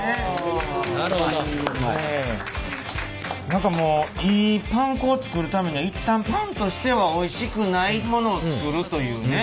何かもういいパン粉を作るためには一旦パンとしてはおいしくないものを作るというね。